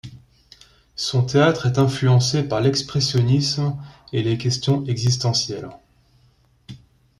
Son théâtre est influencé par l'expressionnisme et les questions existentielles.